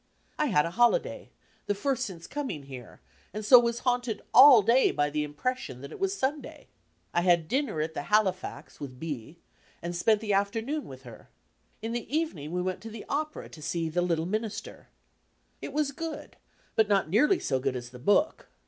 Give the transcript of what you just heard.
I had a holiday, the first since coming here, and so was haunted all day by the impression that it was Sunday. I had dinner at the Halifax with B. and spent the afternoon with her. In the evening we went to the opera to see The LittU Minister. It was good but not nearly so good as the book.